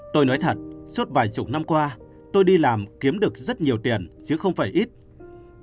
tôi nói thật suốt vài chục năm qua tôi đi làm kiếm được rất nhiều tiền chứ không bao giờ vuôn vén gì cho bản thân